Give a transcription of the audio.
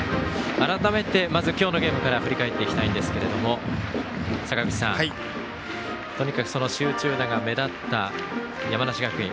改めて、まず今日のゲームから振り返っていきたいんですが坂口さん、集中打が目立った山梨学院。